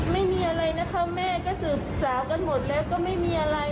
ไม่มีอะไรนะคะแม่ก็สืบสาวกันหมดแล้วก็ไม่มีอะไร